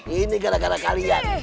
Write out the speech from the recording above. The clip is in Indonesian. ini gara gara kalian